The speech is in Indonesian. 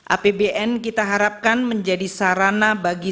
apbn kita harapkan menjadi sarana bagi